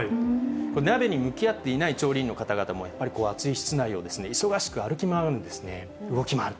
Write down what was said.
鍋に向き合っていない調理員の方々も、やっぱりこう、暑い室内を忙しく歩き回るんですね、動き回る。